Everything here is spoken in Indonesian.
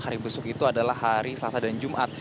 hari busuk itu adalah hari selasa dan jumat